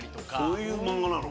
そういう漫画なの？